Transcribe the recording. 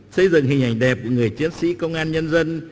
xây dựng hình ảnh đẹp của người chiến sĩ công an nhân dân